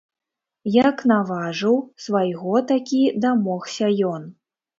Як наважыў, свайго такі дамогся ён.